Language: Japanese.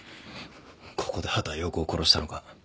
ここで畑葉子を殺したのか？